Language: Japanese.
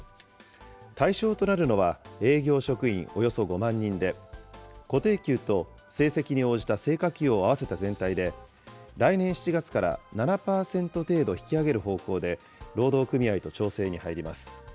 対象となるのは営業職員およそ５万人で、固定給と成績に応じた成果給を合わせた全体で、来年７月から７％程度引き上げる方向で、労働組合と調整に入ります。